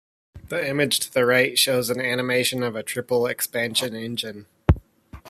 The image to the right shows an animation of a triple-expansion engine.